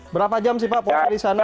berapa jam sih pak waktu disana